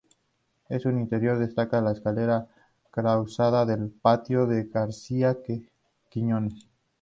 En su interior destaca la escalera claustral del patio, de García de Quiñones.